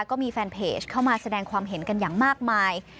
ก็มีแฟนเพจเข้ามาแสดงความเห็นกันอย่างมากมาย